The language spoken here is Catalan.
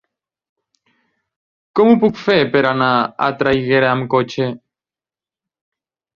Com ho puc fer per anar a Traiguera amb cotxe?